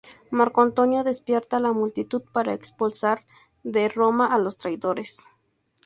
Marco Antonio despierta a la multitud para expulsar de Roma a los traidores.